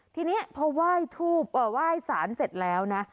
ทีนี้พอไหว้สารเสร็จแล้วนะ